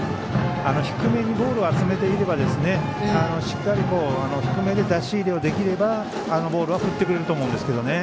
低めにボールを集めていればしっかり低めで出し入れできればあのボールは振ってくれると思うんですけど。